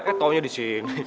eh taunya disini